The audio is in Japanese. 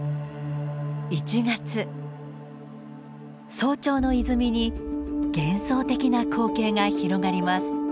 早朝の泉に幻想的な光景が広がります。